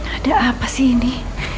ada apa sih ini